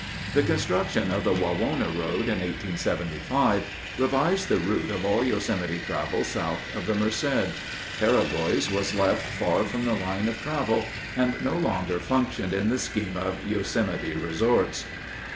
The construction of the Wawona road in 1875 revised the route of all Yosemite travel south of the Merced. Peregoy's was left far from the line of travel and no longer functioned in the scheme of Yosemite resorts.